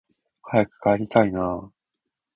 早く帰りたいなあ